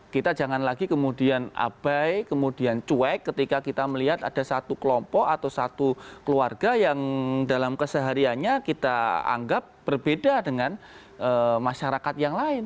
kita jangan lagi kemudian abai kemudian cuek ketika kita melihat ada satu kelompok atau satu keluarga yang dalam kesehariannya kita anggap berbeda dengan masyarakat yang lain